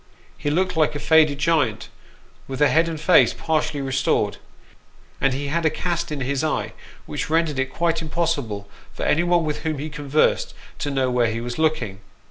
He looked like a faded giant, with the head and face partially restored ; and he had a cast in his eye which rendered it quite impossible for anyone with whom he conversed to know where he was looking.